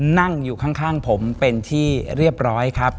นั่งอยู่ข้างผมเป็นที่เรียบร้อยครับ